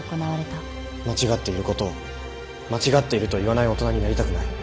間違っていることを間違っていると言わない大人になりたくない。